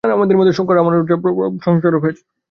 আমাদের শঙ্কর, রামানুজ, চৈতন্য প্রভৃতি অনেক সংস্কারক হয়েছেন।